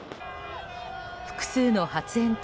複数の発煙筒